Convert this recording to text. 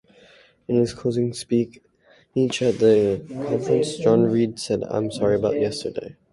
In his closing speech at the conference, John Reid said I'm sorry about yesterday.